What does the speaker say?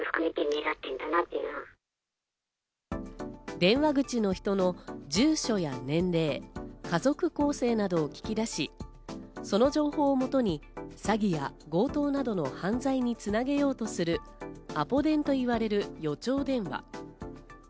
電話口の人の住所や年齢、家族構成などを聞き出し、その情報をもとに詐欺や強盗などの犯罪につなげようとするアポ電といわれる予兆電話。